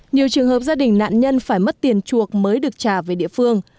nhiều trường hợp gia đình nạn nhân phải mất tiền chuộc mới được trả về địa phương